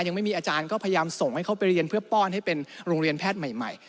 ยังไม่มีอาจารย์ก็พยายามส่งให้เขาไปเรียนเพื่อป้อนให้เป็นโรงเรียนแพทย์ใหม่